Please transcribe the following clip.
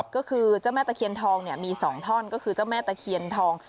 ก็คือเจ้าแม่ตะเคียนทองมี๒ท่อนก็คือเจ้าแม่ตะเคียนทอง